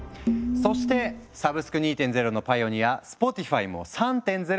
そしてサブスク２．０のパイオニアスポティファイも３．０を目指している。